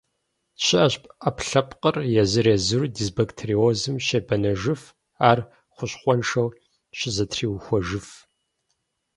Щыӏэщ ӏэпкълъэпкъыр езыр-езыру дисбактериозым щебэныжыф, ар хущхъуэншэу щызэтриухуэжыф.